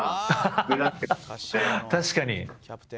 確かに。